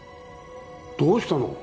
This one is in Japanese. どうしたの？